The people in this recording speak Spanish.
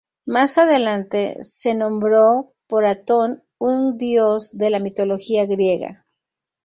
Más adelante se nombró por Atón, un dios de la mitología griega.